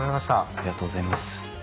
ありがとうございます。